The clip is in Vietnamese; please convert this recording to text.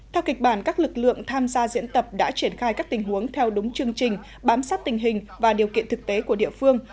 theo kịch bản các lực lượng tham gia diễn tập đã triển khai các tình huống theo đúng chương trình bám sát tình hình và điều kiện thực tế của địa phương